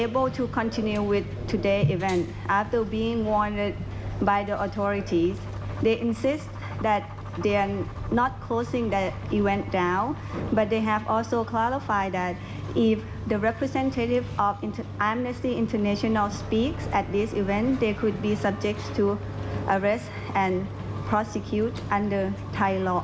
พวกมันก็จะต้องถูกดำเนินตามกฎหมาย